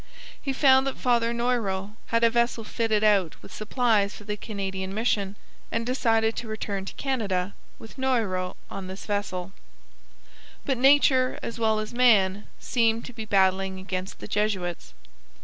He found that Father Noyrot had a vessel fitted out with supplies for the Canadian mission, and decided to return to Canada with Noyrot on this vessel. But nature as well as man seemed to be battling against the Jesuits.